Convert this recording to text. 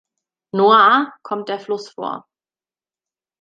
Noire" kommt der Fluss vor.